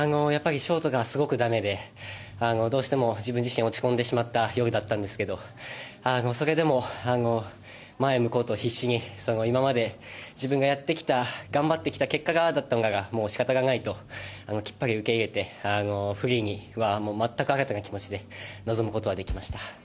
ショートがすごくだめでどうしても自分自身落ち込んでしまった夜でしたがそれでも前を向こうと必死に今まで自分がやってきた頑張ってきた結果がああだったんだからもう仕方がないときっぱり受け入れてフリーには全く新たな気持ちで臨むことができました。